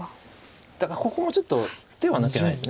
だからここもちょっと手は抜けないです。